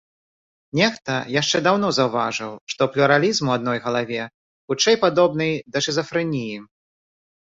Нехта яшчэ даўно заўважыў, што плюралізм у адной галаве, хутчэй, падобны да шызафрэніі.